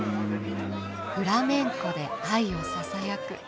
フラメンコで愛をささやく。